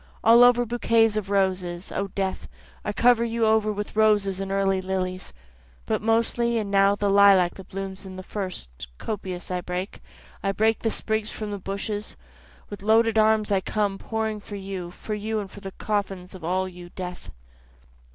All over bouquets of roses, O death, I cover you over with roses and early lilies, But mostly and now the lilac that blooms the first, Copious I break, I break the sprigs from the bushes, With loaded arms I come, pouring for you, For you and the coffins all of you O death.)